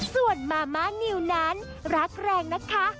ส่วนมาม่านิวนั้นรักแรงนะคะ